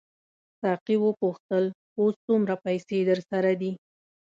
ساقي وپوښتل اوس څومره پیسې درسره دي.